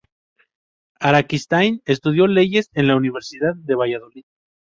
Araquistáin estudió leyes en la Universidad de Valladolid.